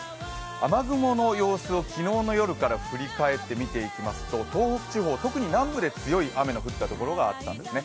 雨雲の様子を昨日の夜から振り返って見ていきますと、東北地方、特に南部で強い雨の降ったところがあったんですね。